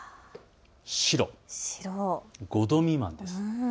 白、５度未満です。